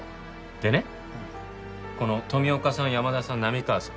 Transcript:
でねこの富岡さん山田さん波川さん